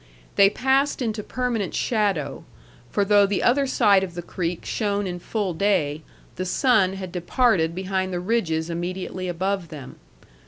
They passed into permanent shadow; for though the other side of the creek shone in full day, the sun had departed behind the ridges immediately above them.